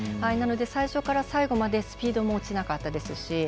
最初から最後までスピードも落ちなかったですし